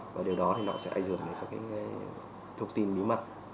và điều đó thì nó sẽ ảnh hưởng đến các thông tin bí mật